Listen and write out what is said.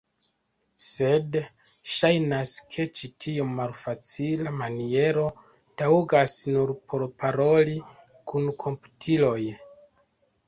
Sed, ŝajnas, ke ĉi tiom malfacila maniero taŭgas nur por paroli kun komputiloj.